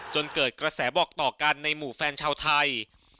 จนเกิดกระแสบอกต่อกันในหมู่แฟนชาวไทย